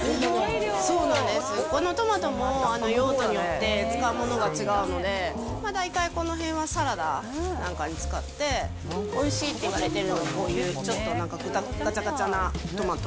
このトマトも用途によって、使うものが違うので、大体このへんはサラダなんかに使って、おいしいっていわれてるのが、こういうちょっとなんか、がちゃがちゃなトマト。